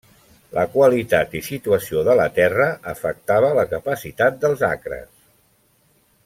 La qualitat i situació de la terra afectava la capacitat dels acres.